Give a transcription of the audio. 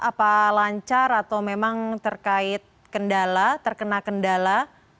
apa lancar atau memang terkait kendala terkena kendala